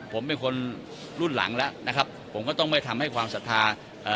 ผมเป็นคนรุ่นหลังแล้วนะครับผมก็ต้องไม่ทำให้ความศรัทธาเอ่อ